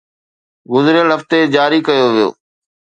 گذريل هفتي جاري ڪيو ويو